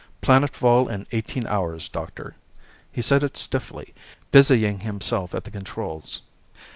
"Planetfall in eighteen hours, Doctor." He said it stiffly, busying himself at the controls.